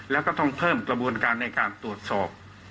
แล้วก็ต้องเพิ่มกระบวนการในการตรวจสอบ